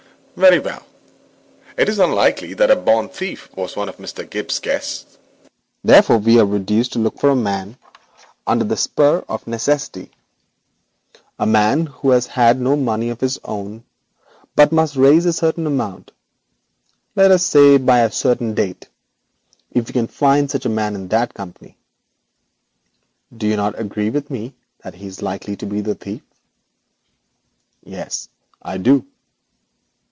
'Very well. It is unlikely that a born thief was one of Mr. Gibbes's guests. Therefore we are reduced to look for a man under the spur of necessity; a man who has no money of his own but who must raise a certain amount, let us say, by a certain date. If we can find such a man in that company, do you not agree with me that he is likely to be the thief?' 'Yes, I do.'